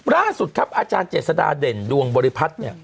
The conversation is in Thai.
ล่าสุดครับอาจารย์เจสดาเด่นลวงบริพัทนี่